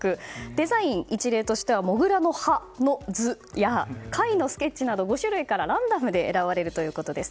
デザインの一例としてはモグラの歯の図や貝のスケッチなど５種類からランダムに選ばれるということです。